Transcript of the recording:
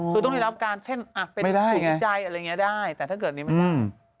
คือต้องได้รับการเช่นสูงใจอะไรอย่างนี้ได้แต่ถ้าเกิดนี้ไม่ได้